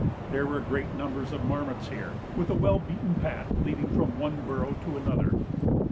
There were great numbers of marmots here, with a well beaten path leading from one burrow to another.